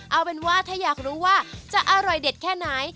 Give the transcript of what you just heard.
เอาเป็นว่าถ้าอยากรู้ว่าจะอร่อยเด็ดแค่ไหน